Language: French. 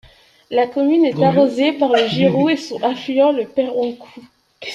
La commune est arrosée par le Girou et son affluent le Peyrencou.